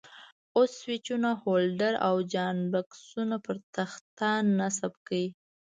اوس سویچونه، هولډر او جاینټ بکسونه پر تخته نصب کړئ.